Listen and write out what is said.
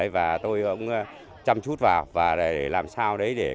và tôi cũng chăm chút vào để làm sao để cây chè nó mang lại